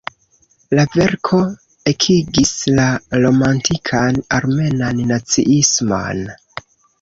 La verko ekigis la romantikan armenan naciismon.